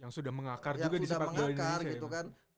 yang sudah mengakar juga di sepak jualan indonesia